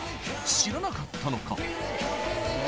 知らなかったのか？